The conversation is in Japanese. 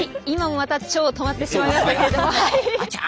今もまた超止まってしまいましたけれども。